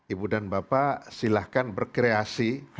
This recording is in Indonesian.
ibu dan bapak silahkan berkreasi